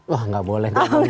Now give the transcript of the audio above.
wah gak boleh